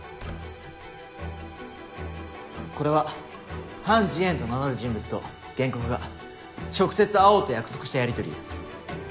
これはハン・ジエンと名乗る人物と原告が直接会おうと約束したやりとりです。